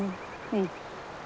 うん。